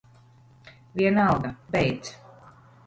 Vienalga. Beidz.